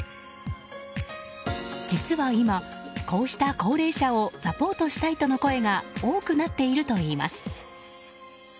実は今、こうした高齢者をサポートしたいとの声が多くなっているといいます。